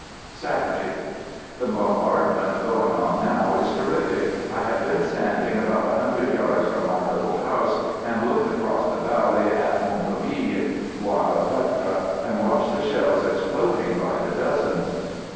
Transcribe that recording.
Saturday. The bombardment going on now is ter rific — I have been standing about a hundred yards from my little house and looked across the valley on Montauville — Bois le Pretre — and watched the shells exploding by the dozens.